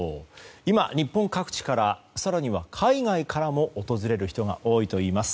今、日本各地から更には海外からも訪れる人が多いといいます。